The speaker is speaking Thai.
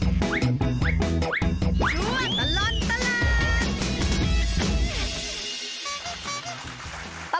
ช่วยตลอดตลาด